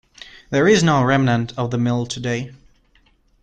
There is no remnant of the mill today.